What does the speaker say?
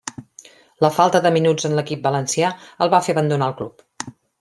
La falta de minuts en l'equip valencià el va fer abandonar el club.